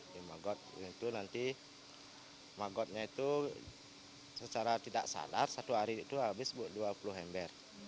di magot itu nanti magotnya itu secara tidak sadar satu hari itu habis bu dua puluh hember